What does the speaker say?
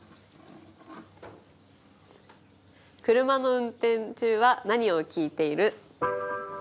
「車の運転中は何を聴いている？」。